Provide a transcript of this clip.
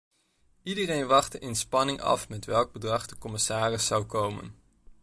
Iedereen wachtte in spanning af met welk bedrag de commissaris zou komen.